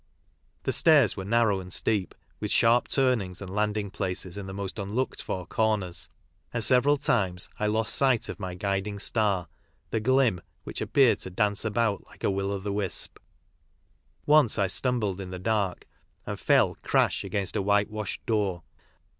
The stairs were narrow and steep, with sharp turnings and landing plaees in the most unlooked for comers, and several timea I lost sight of my guiding star, the ; "glim," which appeared to dance about like a Wi l o' the wisp. Once I stumbled in the dark, and fell crash against a whitewashed door.